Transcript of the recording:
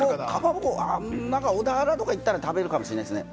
小田原とか行ったら食べるかもしれないですね。